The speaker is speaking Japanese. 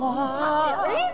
えっ！